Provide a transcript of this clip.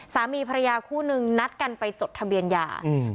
สามีภรรยาคู่นึงนัดกันไปจดทะเบียนยาอืม